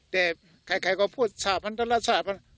แต่ใครก็พูดสาพันธรรมนั้น